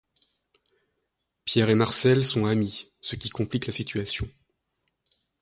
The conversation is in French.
Pierre et Marcel sont amis, ce qui complique la situation.